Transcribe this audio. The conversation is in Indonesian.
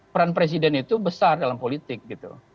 peran presiden itu besar dalam politik gitu